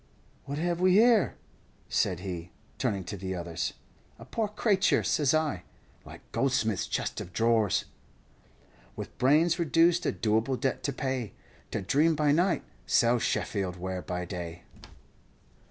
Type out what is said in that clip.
"'What have we here?' said he, turning to the others. "'A poor crayture,' says I, 'like Goldsmith's chest of drawers, "'With brains reduced a doable debt to pay, To dream by night, sell Sheffield ware by day.'